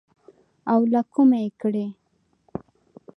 او له کومه يې کړې.